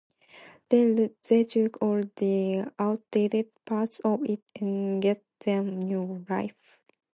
They took all the outdated parts of it and gave them new life.